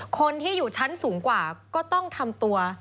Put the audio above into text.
คนที่อยู่ชั้นสูงกว่าก็ต้องทำตัว